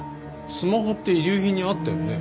スマホって遺留品にあったよね？